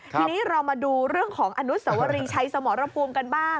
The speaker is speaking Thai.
ทีนี้เรามาดูเรื่องของอนุสวรีชัยสมรภูมิกันบ้าง